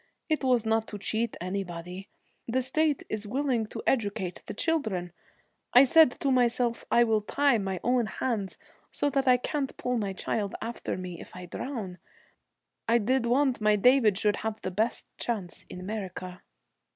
It was not to cheat anybody. The state is willing to educate the children. I said to myself I will tie my own hands, so that I can't pull my child after me if I drown. I did want my David should have the best chance in America.'